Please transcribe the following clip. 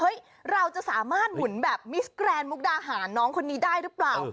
เราจะสามารถหมุนแบบมิสแกรนดมุกดาหารน้องคนนี้ได้หรือเปล่า